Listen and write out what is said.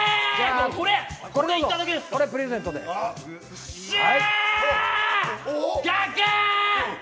これ、プレゼントです。